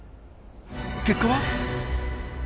結果は？